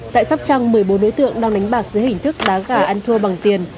tại sóc trăng một mươi bốn đối tượng đang đánh bạc dưới hình thức đá gà ăn thua bằng tiền